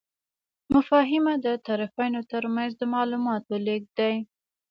مفاهمه د طرفینو ترمنځ د معلوماتو لیږد دی.